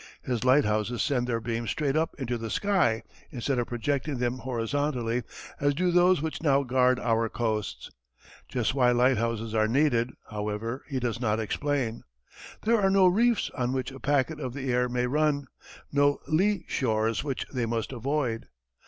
His lighthouses send their beams straight up into the sky instead of projecting them horizontally as do those which now guard our coasts. Just why lighthouses are needed, however, he does not explain. There are no reefs on which a packet of the air may run, no lee shores which they must avoid.